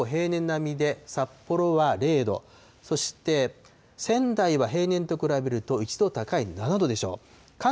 平年との差ですが、北日本はほぼ平年並みで、札幌は０度、そして、仙台は平年と比べると１度高い７度でしょう。